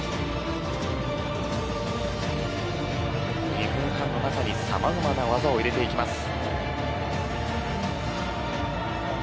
２分半の中にさまざまな技を入れていきます。